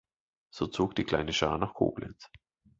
So zog die kleine Schar nach Koblenz.